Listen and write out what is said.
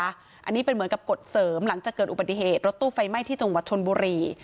อันนี้เป็นเหมือนกับกฎเสริมหลังจากเกิดอุบัติเหตุรถตู้ไฟไหม้ที่จังหวัดชนบุรี